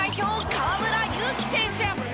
河村勇輝選手。